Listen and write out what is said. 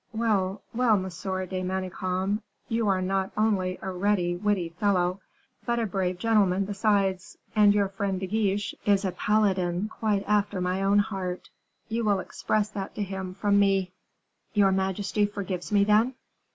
"Well, well, Monsieur de Manicamp, you are not only a ready, witty fellow, but a brave gentleman besides, and your friend De Guiche is a paladin quite after my own heart; you will express that to him from me." "Your majesty forgives me, then?"